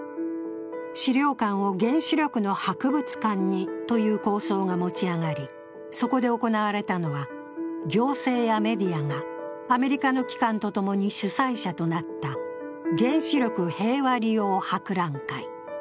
資料館を原子力の博物館にという構想が持ち上がり、そこで行われたのは、行政やメディアがアメリカの機関とともに主催者となった原子力平和利用博覧会。